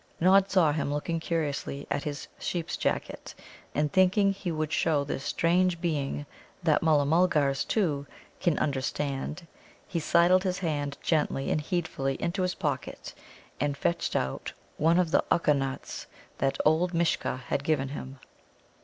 Nod saw him looking curiously at his sheep's jacket, and, thinking he would show this strange being that Mulla mulgars, too, can understand, he sidled his hand gently and heedfully into his pocket and fetched out one of the Ukka nuts that old Mishcha had given him.